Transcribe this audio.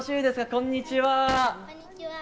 こんにちは！